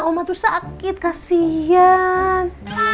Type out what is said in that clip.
oma tuh sakit kasihan